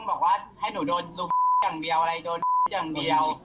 บอกว่าให้หนูโดนซุกอย่างเดียวอะไรโดนทุบอย่างเดียว